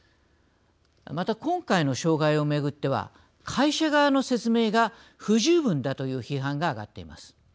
また、今回の障害を巡っては会社側の説明が不十分だという批判が上がっています。